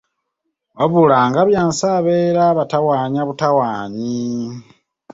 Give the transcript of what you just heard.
Wabula nga Byansi abeera abatawaanya butawaannyi.